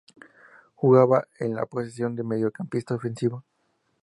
Jugaba en la posición de mediocampista ofensivo.